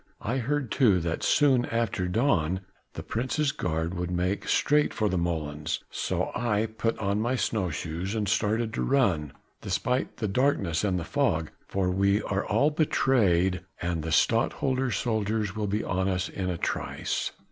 I heard too that soon after dawn the Prince's guard would make straight for the molens, so I put on my snow shoes and started to run, despite the darkness and the fog, for we are all betrayed and the Stadtholder's soldiers will be on us in a trice."